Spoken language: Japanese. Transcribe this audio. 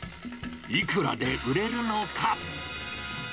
いくらで売れるのか。